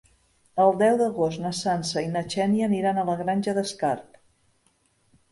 El deu d'agost na Sança i na Xènia aniran a la Granja d'Escarp.